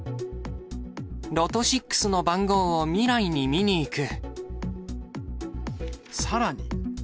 ロト６の番号を未来に見に行さらに。